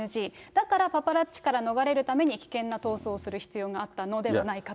だからパパラッチから逃れるために、危険な逃走をする必要があったのではないかと。